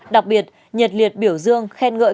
đặc biệt nhiệt liệt biểu dương khen ngợi